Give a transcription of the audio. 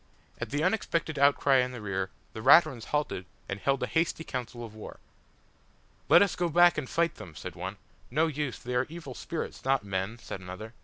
At the unexpected outcry in the rear the Raturans halted, and held a hasty council of war. "Let us go back and fight them," said one. "No use, they are evil spirits not men," said another.